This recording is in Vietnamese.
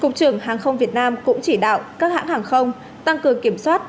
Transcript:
cục trưởng hàng không việt nam cũng chỉ đạo các hãng hàng không tăng cường kiểm soát